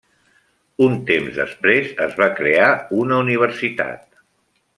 Un temps després es va crear una universitat.